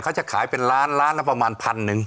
เขาจะขายเป็นล้านล้านละประมาณพันหนึ่ง